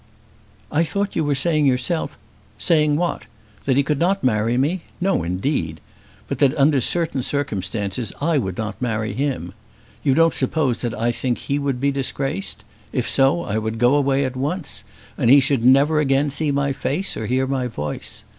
"I thought you were saying yourself " "Saying what? That he could not marry me! No, indeed! But that under certain circumstances I would not marry him. You don't suppose that I think he would be disgraced? If so I would go away at once, and he should never again see my face or hear my voice.